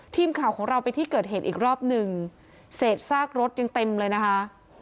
ทีมข่าวของเราไปที่เกิดเหตุอีกรอบหนึ่งเศษซากรถยังเต็มเลยนะคะ